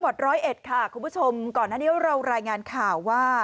บท๑๐๑ค่ะคุณผู้ชมก่อนหน้านี้เรารายงานข่าวว่า